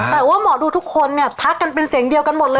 แต่ว่าหมอดูทุกคนเนี่ยทักกันเป็นเสียงเดียวกันหมดเลย